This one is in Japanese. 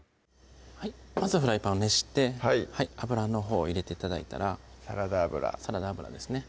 まずフライパンを熱して油のほうを入れて頂いたらサラダ油サラダ油ですね